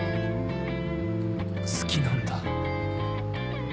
好きなんだ